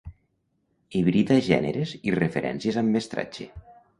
Hibrida gèneres i referències amb mestratge.